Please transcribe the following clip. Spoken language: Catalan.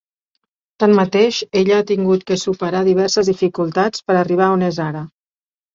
Tanmateix, ella ha tingut que superar diverses dificultats per arribar a on és ara.